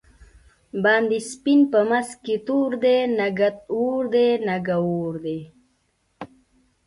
باندی سپین په منځ کی تور دۍ، نگه اور دی نگه اور دی